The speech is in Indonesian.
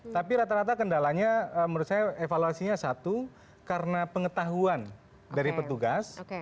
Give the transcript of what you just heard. tapi rata rata kendalanya menurut saya evaluasinya satu karena pengetahuan dari petugas